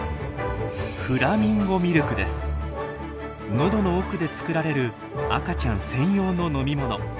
喉の奥で作られる赤ちゃん専用の飲み物。